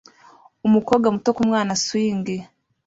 Umukobwa muto ku mwana swing